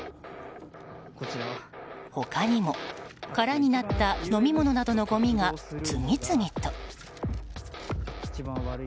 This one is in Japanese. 他にも、空になった飲み物などのごみが、次々と。